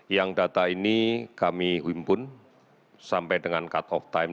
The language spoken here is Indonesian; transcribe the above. yang data ini kami wimpun sampai dengan cut of time